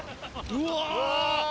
うわ！